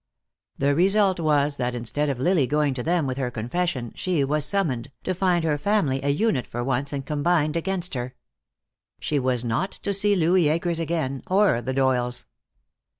The result was that instead of Lily going to them with her confession, she was summoned, to find her family a unit for once and combined against her. She was not to see Louis Akers again, or the Doyles.